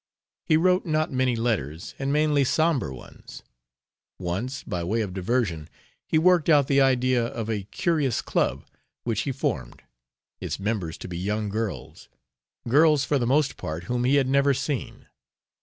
He wrote not many letters and mainly somber ones. Once, by way of diversion, he worked out the idea of a curious club which he formed its members to be young girls girls for the most part whom he had never seen.